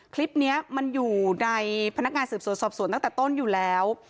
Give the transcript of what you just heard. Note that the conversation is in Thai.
คลิปนี้มันอยู่ในพนักงานสืบสวนสอบสวนตั้งแต่ต้นอยู่แล้ว